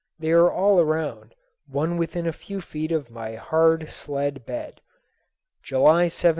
They are all around, one within a few feet of my hard sled bed. July 17.